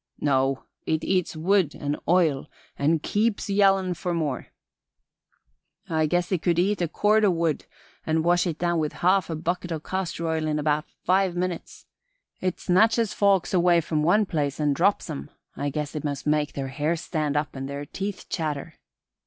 "No. It eats wood and oil and keeps yellin' for more. I guess it could eat a cord o' wood and wash it down with half a bucket o' castor oil in about five minutes. It snatches folks away to some place and drops 'em. I guess it must make their hair stand up and their teeth chatter."